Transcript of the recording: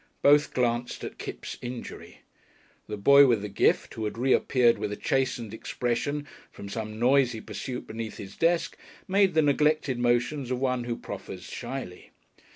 Both glanced at Kipps' injury. The boy with the gift, who had reappeared with a chastened expression from some noisy pursuit beneath his desk, made the neglected motions of one who proffers shyly.